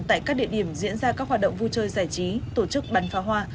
tại các địa điểm diễn ra các hoạt động vui chơi giải trí tổ chức bắn phá hoa